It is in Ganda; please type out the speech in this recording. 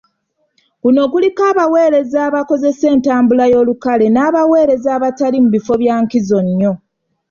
Kuno kuliko abaweereza abakozesa entambula ey'olukale n'abaweereza abatali mu bifo bya nkizo nnyo.